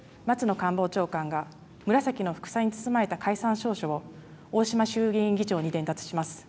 官房長官が紫のふくさに包まれた解散詔書を大島衆議院議長に伝達します。